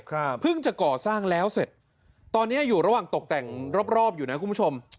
เพิ่งจะก่อสร้างแล้วเสร็จตอนเนี้ยอยู่ระหว่างตกแต่งรอบรอบอยู่นะคุณผู้ชม